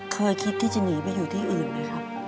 เคยคิดที่จะหนีไปอยู่ที่อื่นไหมครับ